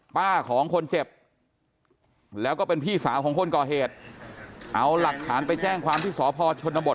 ของคนเจ็บแล้วก็เป็นพี่สาวของคนก่อเหตุเอาหลักฐานไปแจ้งความที่สพชนบท